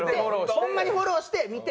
ホンマにフォローして見てて。